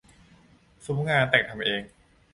ซุ้มงานแต่งทำเอง